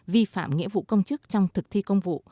vi phạm nghĩa vụ công chức trong thực thi công vụ